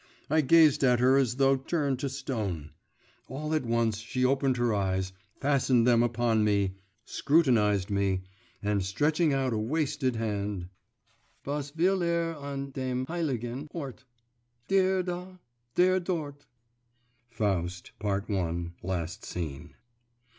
I gazed at her as though turned to stone. All at once she opened her eyes, fastened them upon me, scrutinised me, and stretching out a wasted hand 'Was will er an dem heiligen Ort Der da … der dort …' Faust, Part I., Last Scene.